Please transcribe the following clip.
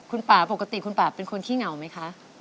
คุณป่าปกติคุณป่าเป็นคนขี้เหงาไหมคะ